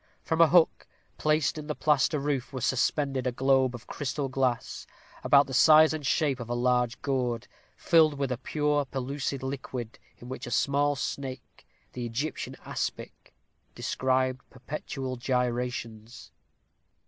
From a hook, placed in the plaster roof, was suspended a globe of crystal glass, about the size and shape of a large gourd, filled with a pure pellucid liquid, in which a small snake, the Egyptian aspic, described perpetual gyrations.